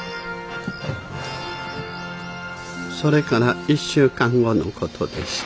それから１週間後の事でした。